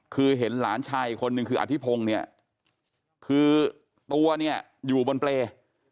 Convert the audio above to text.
คือเห็นหลานชายอีกคนนึงคืออธิพงศ์เนี่ยคือตัวเนี่ยอยู่บนเปรย์